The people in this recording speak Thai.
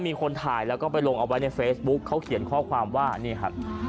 มีคนถ่ายแล้วก็ไปลงเอาไว้ในเฟซบุ๊คเขาเขียนข้อความว่านี่ครับ